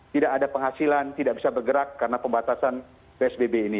tidak ada penghasilan tidak bisa bergerak karena pembatasan psbb ini